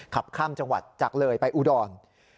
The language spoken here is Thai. ขับข้ามจังหวัดจากเลยไปอุดร